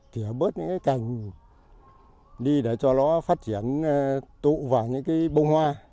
cửa bớt những cái cành đi để cho nó phát triển tụ vào những cái bông hoa